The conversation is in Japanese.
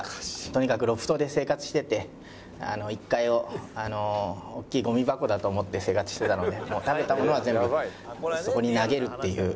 とにかくロフトで生活してて１階を大きいゴミ箱だと思って生活してたのでもう食べたものは全部そこに投げるっていう。